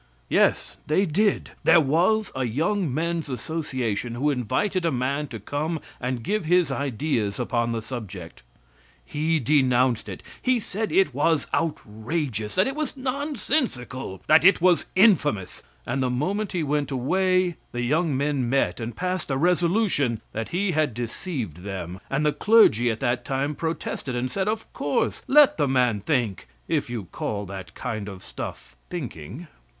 Yes, they did! There was a Young Men's Association who invited a man to come and give his ideas upon the subject. He denounced it. He said it was outrageous, that it was nonsensical, that it was infamous and the moment he went away the young men met and passed a resolution that he had deceived them; and the clergy at that time protested and said, of course, let the man think, if you call that kind of stuff thinking.